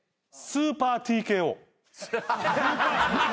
スーパーＴＫＯ。